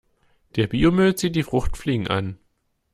Der Biomüll zieht die Fruchtfliegen an.